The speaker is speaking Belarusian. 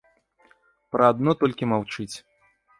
Пра адно толькі маўчыць.